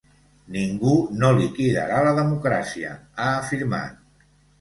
Ningú no liquidarà la democràcia, ha afirmat.